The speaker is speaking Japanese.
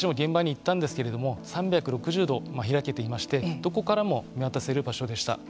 私も現場に行ったんですけれども３６０度ひらけていましてどこからも見渡せる場所でした。